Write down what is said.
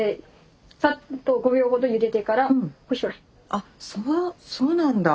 あっそうなんだ。